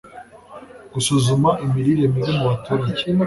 gusuzuma imirire mibi mu baturage